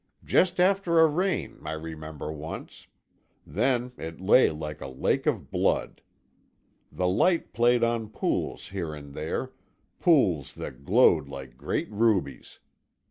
Just after a rain, I remember, once. Then it lay like a lake of blood. The light played on pools here and there, pools that glowed like great rubies.